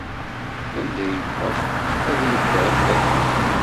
Anda i yewweḍ, ad yebbertel